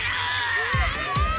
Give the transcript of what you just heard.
うわ！